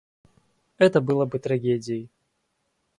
Это было бы трагедией.